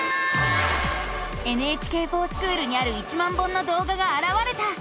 「ＮＨＫｆｏｒＳｃｈｏｏｌ」にある１万本の動画があらわれた！